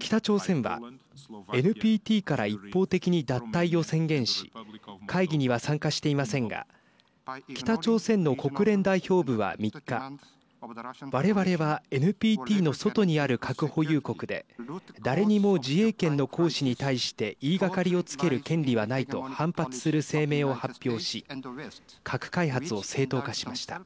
北朝鮮はＮＰＴから一方的に脱退を宣言し会議には参加していませんが北朝鮮の国連代表部は３日我々はＮＰＴの外にある核保有国で誰にも自衛権の行使に対して言いがかりをつける権利はないと反発する声明を発表し核開発を正当化しました。